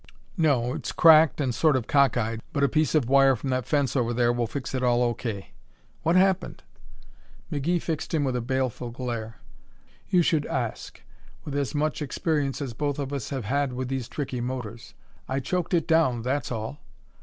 "No. It's cracked and sort of cockeyed, but a piece of wire from that fence over there will fix it all O.K. What happened?" McGee fixed him with a baleful glare. "You should ask with as much experience as both of us have had with these tricky motors. I choked it down, that's all.